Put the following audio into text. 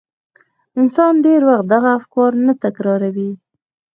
انسان ډېر وخت دغه افکار نه تکراروي.